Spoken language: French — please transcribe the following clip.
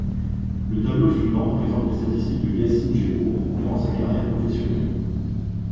Le tableau suivant présente les statistiques de Yassine Jebbour durant sa carrière professionnelle.